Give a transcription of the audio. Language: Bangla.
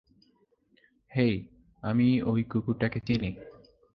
হেই, আমি ওই কুকুরটাকে চিনি।